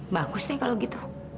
bagus deh kalau gitu